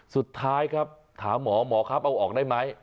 สุดท้ายครับถามหมอหมอครับเอาออกได้ไหม